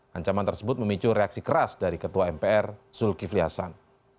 ancaman tersebut memicu reaksi keras dari ketua mpr zulkifli hasan